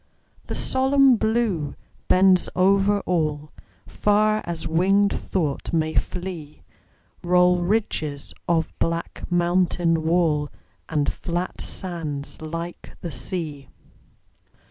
The solemn Blue bends over all; Far as winged thought may flee Roll ridges of black mountain wall, And flat sands like the sea.